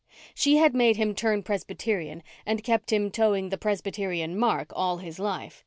She had made him turn Presbyterian and kept him toeing the Presbyterian mark all his life.